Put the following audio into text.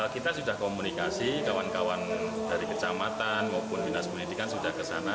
kita sudah komunikasi kawan kawan dari kecamatan maupun binas pendidikan sudah kesana